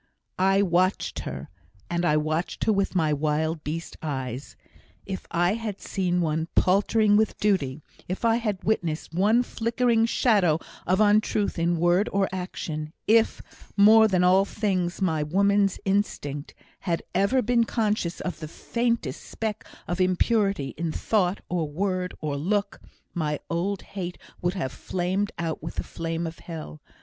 "I watched her, and I watched her with my wild beast eyes. If I had seen one paltering with duty if I had witnessed one flickering shadow of untruth in word or action if, more than all things, my woman's instinct had ever been conscious of the faintest speck of impurity in thought, or word, or look, my old hate would have flamed out with the flame of hell!